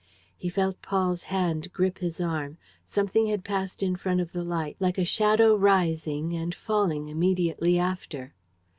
He felt Paul's hand grip his arm. Something had passed in front of the light, like a shadow rising and falling immediately after.